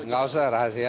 gak usah rahasia